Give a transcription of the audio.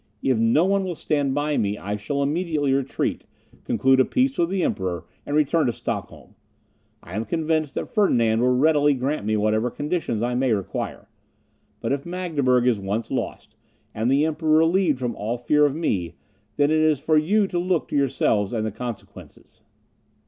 If no one will stand by me, I shall immediately retreat, conclude a peace with the Emperor, and return to Stockholm. I am convinced that Ferdinand will readily grant me whatever conditions I may require. But if Magdeburg is once lost, and the Emperor relieved from all fear of me, then it is for you to look to yourselves and the consequences."